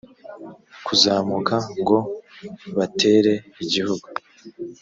kuzamuka ngo batere igihugu